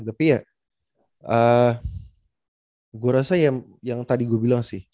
tapi ya gue rasa yang tadi gue bilang sih